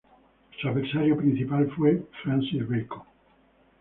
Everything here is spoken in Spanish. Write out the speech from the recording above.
Su principal adversario fue Francis Bacon.